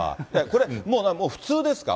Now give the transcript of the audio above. これ、もう普通ですか？